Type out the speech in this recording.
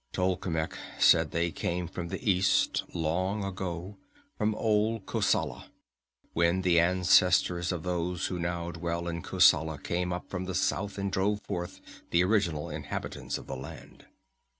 Tolkemec said they came from the east, long ago, from Old Kosala, when the ancestors of those who now dwell in Kosala came up from the south and drove forth the original inhabitants of the land.